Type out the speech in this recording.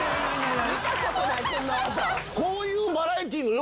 見たことないこんな技